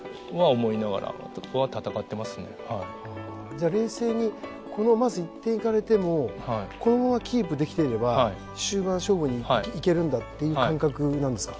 じゃあ冷静にまず１点いかれてもこのままキープできていれば終盤勝負にいけるんだっていう感覚なんですか？